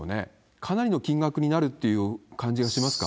かなりの金額になるという可能性がしますか？